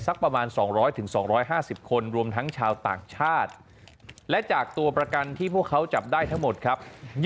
สักประมาณ๒๐๐๒๕๐คนรวมทั้งชาวต่างชาติและจากตัวประกันที่พวกเขาจับได้ทั้งหมดครับ